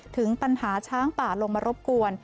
ถึงปัญหาช้างป่าลงมารบกวน